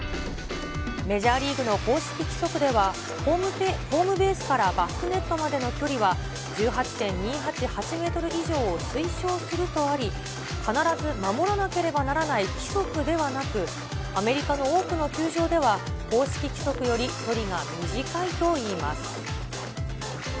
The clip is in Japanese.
メジャーリーグの公式規則ではホームベースからバックネットまでの距離は１８．２８８メートル以上を推奨するとあり、必ず守らなければならない規則ではなく、アメリカの多くの球場では、公式規則より距離が短いといいます。